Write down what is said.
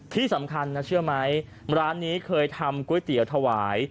ที่สำคัญนะเชื่อไหมร้านนี้เคยทำก๋วยเตี๋ยวถวาย